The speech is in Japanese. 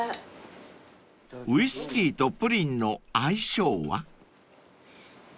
［ウイスキーとプリンの相性は？］